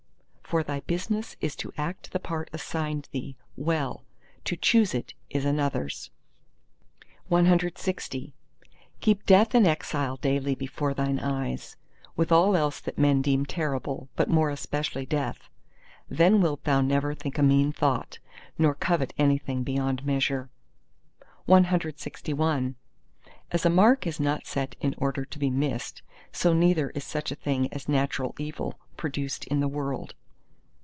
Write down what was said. For thy business is to act the part assigned thee, well: to choose it, is another's. CLXI Keep death and exile daily before thine eyes, with all else that men deem terrible, but more especially Death. Then wilt thou never think a mean though, nor covet anything beyond measure. CLXII As a mark is not set up in order to be missed, so neither is such a thing as natural evil produced in the World.